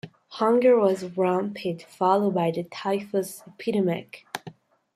Hunger was rampant, followed by the typhus epidemic.